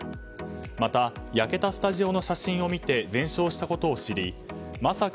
また焼けたスタジオの写真を見て全焼したことを知りまさか